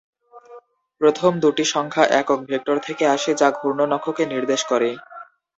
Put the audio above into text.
প্রথম দুটি সংখ্যা একক ভেক্টর থেকে আসে যা ঘূর্ণন অক্ষকে নির্দেশ করে।